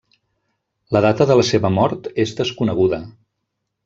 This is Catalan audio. La data de la seva mort és desconeguda.